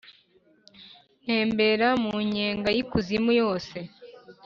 ntembera mu nyenga y’ikuzimu yose